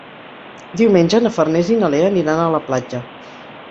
Diumenge na Farners i na Lea aniran a la platja.